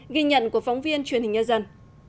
ghi nhận của phóng viên truyền hình nhân dân